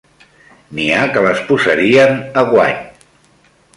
N'hi ha que les posarien a guany.